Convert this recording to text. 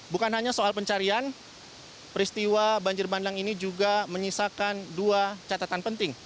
bukan hanya soal pencarian peristiwa banjir bandang ini juga menyisakan dua catatan penting